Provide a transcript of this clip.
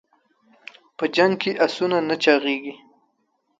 د جنګ کې اسونه نه چاغېږي.